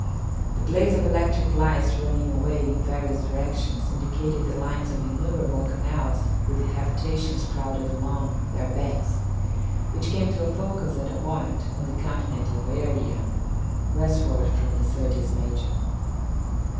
The blaze of electric lights running away in various directions indicated the lines of innumerable canals with habitations crowded along their banks, which came to a focus at a point on the continent of Aeria, westward from the Syrtis Major.